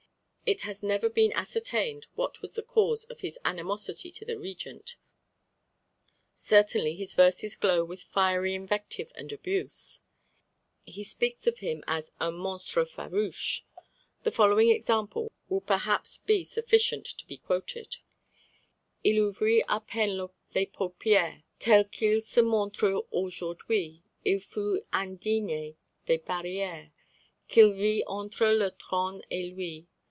It has never been ascertained what was the cause of his animosity to the Regent; certainly his verses glow with fiery invective and abuse. He speaks of him as un monstre farouche. The following example will perhaps be sufficient to be quoted: "Il ouvrit à peine les paupières, Que, tel qu'il se montre aujourd'hui, Il fut indigné des barrières Qu'il vit entre le trône et lui.